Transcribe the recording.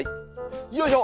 よいしょ！